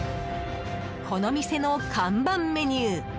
この店の看板メニュー